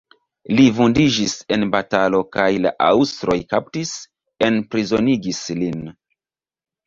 Li vundiĝis en batalo kaj la aŭstroj kaptis, enprizonigis lin.